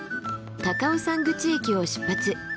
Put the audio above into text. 高尾山口駅を出発。